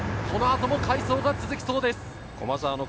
この後も快走が続きそうです。